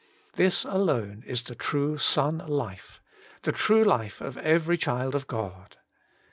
This alone is the true Son life, the true life of every child of God.